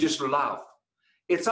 itu sesuatu yang anda tidak paham